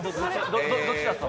どちら様？